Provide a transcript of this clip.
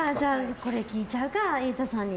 これ聞いちゃうか、瑛太さんに。